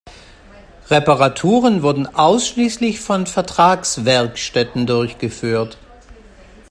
Reparaturen wurden ausschließlich von Vertragswerkstätten durchgeführt.